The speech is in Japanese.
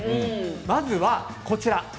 まずはこちらです。